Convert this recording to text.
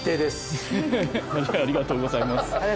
ありがとうございます。